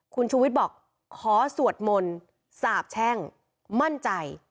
คุณชูวิทย์บอกขอสวดมนต์สาบแช่งมั่นใจ